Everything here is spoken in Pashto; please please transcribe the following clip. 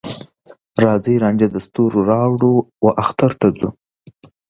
راځې رانجه د ستوروراوړو، واخترته ورځو